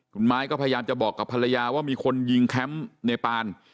คุณไม้ก็พยายามจะบอกกับภรรยาว่ามีคนยิงแคมป์เนปาน